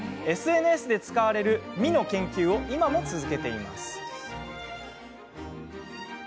ＳＮＳで使われる「み」の研究を今も続けています。